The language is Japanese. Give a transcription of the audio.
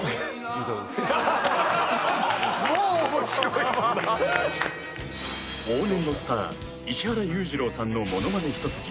もう面白いもんな往年のスター石原裕次郎さんのものまね一筋